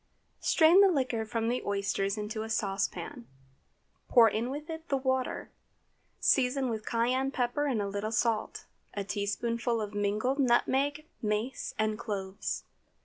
Strain the liquor from the oysters into a saucepan, pour in with it the water. Season with cayenne pepper and a little salt, a teaspoonful of mingled nutmeg, mace, and cloves.